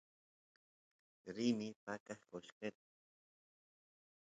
rini paqa qoshqet